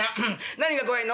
何が怖いの？」。